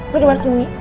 lo dimana sembunyi